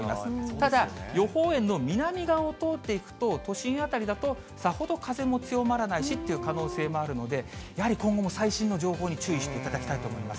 ただ、予報円の南側を通っていくと、都心辺りだと、さほど風も強まらないしっていう可能性もあるので、やはり今後の最新の情報に注意していただきたいと思います。